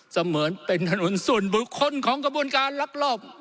เสมือนเป็นถนนส่วนบุคคลของกระบวนการลักลอบ